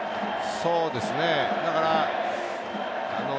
そうですよね。